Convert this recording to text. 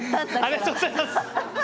ありがとうございます！